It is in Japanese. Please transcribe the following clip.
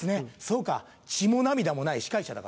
そうか血も涙もない司会者だからか。